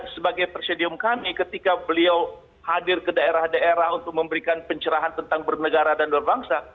sebagai presidium kami ketika beliau hadir ke daerah daerah untuk memberikan pencerahan tentang bernegara dan berbangsa